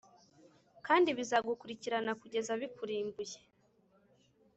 kandi bizagukurikirana kugeza bikurimbuye.